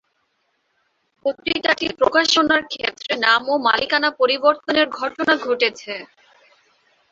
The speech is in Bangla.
পত্রিকাটির প্রকাশনার ক্ষেত্রে নাম ও মালিকানা পরিবর্তনের ঘটনা ঘটেছে।